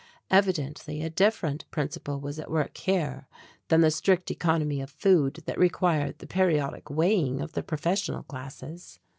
Evidently a different principle was at work here than the strict economy of food that required the periodic weighing of the professional classes.